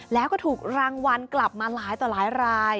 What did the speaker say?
แล้วก็ถูกรางวัลกลับมาหลายต่อหลายราย